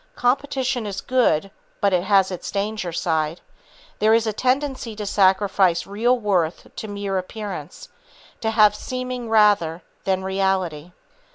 Competition is good, but it has its danger side. There is a tendency to sacrifice real worth to mere appearance, to have seeming rather than reality.